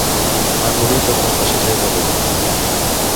Van morir tots els passatgers a bord.